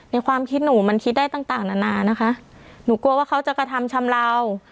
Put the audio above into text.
ความคิดหนูมันคิดได้ต่างต่างนานานะคะหนูกลัวว่าเขาจะกระทำชำลาว